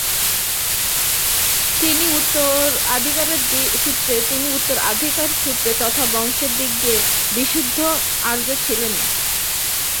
তিনি উত্তরাধিকার সূত্রে তথা বংশের দিক দিয়ে বিশুদ্ধ আর্য ছিলেন না।